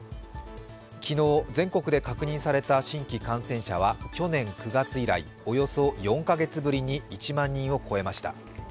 昨日、全国で確認された新規感染者は去年９月以来、およそ４カ月ぶりに１万人を超えました。